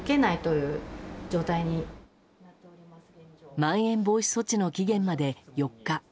まん延防止措置の期限まで４日。